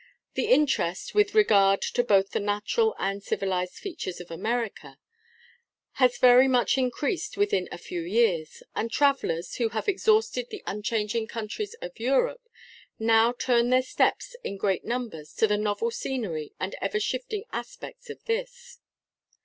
The interest, with regard to both the natural and civilized features of America, has very much increased within a few years; and travellers, who have exhausted the unchanging countries of Europe, now turn their steps in great numbers to the novel scenery, and ever shifting aspects of this.